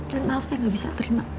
ma maaf saya gak bisa terima